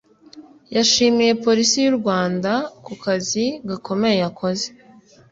yashimiye Polisi y’u Rwanda ku kazi gakomeye yakoze